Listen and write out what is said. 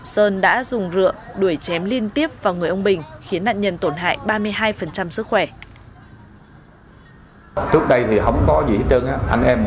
sơn đã dùng rượu đuổi chém liên tiếp vào người ông bình khiến nạn nhân tổn hại ba mươi hai sức khỏe